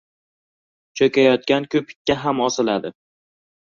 • Cho‘kayotgan ko‘pikka ham osiladi.